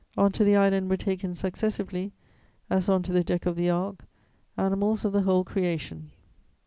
On to the island were taken successively, as on to the deck of the Ark, animals of the whole creation.